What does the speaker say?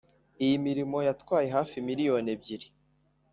Iyi mirimo yatwaye hafi miliyoni ebyiri